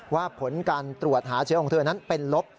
ผลการตรวจหาเชื้อของเธอนั้นเป็นลบ